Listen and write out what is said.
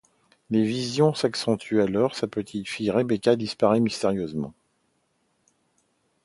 Les visions s'accentuent lorsque sa petite fille Rebecca disparaît mystérieusement.